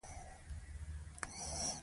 که جاپان بری ومومي، نو نور هم هڅول کېږي.